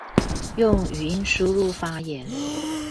用語音輸入發言